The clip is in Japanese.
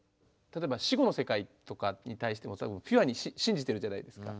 例えば死後の世界とかに対してもピュアに信じているじゃないですか。